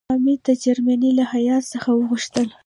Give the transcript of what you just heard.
امیر د جرمني له هیات څخه وغوښتل.